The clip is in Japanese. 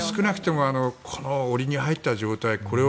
でも、少なくともこの檻に入った状態